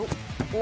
お！